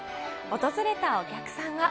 訪れたお客さんは。